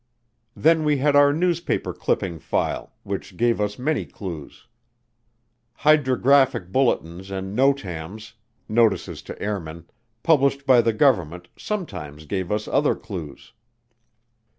Then we had our newspaper clipping file, which gave us many clues. Hydrographic bulletins and Notams (notices to airmen), published by the government, sometimes gave us other clues.